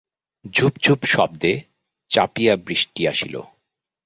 ঝুপ ঝুপ শব্দে চাপিয়া বৃষ্টি আসিল।